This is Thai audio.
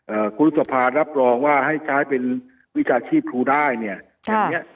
เอ่อคุณศพรรษรับรองว่าให้ใช้เป็นวิชาชีพทูได้เนี่ยค่ะอย่างเงี้ย